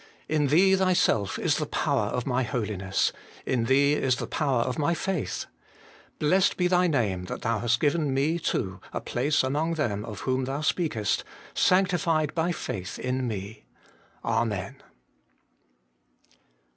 In Thee Thyself is the Power of my holiness ; in Thee is the Power of my faith. Blessed be Thy name that Thou hast given me too a place among them of whom Thou speakest :' Sanctified by faith in me.' Amen.